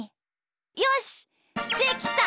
よしできた！